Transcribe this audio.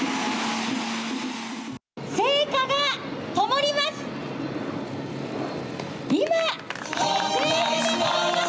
聖火がともります。